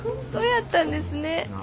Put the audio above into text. そやったんですね。